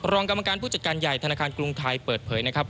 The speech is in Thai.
รองกรรมการผู้จัดการใหญ่ธนาคารกรุงไทยเปิดเผยนะครับ